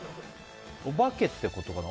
お化けってことかな。